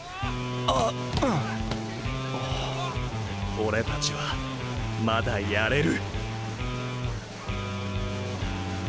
俺たちはまだやれる。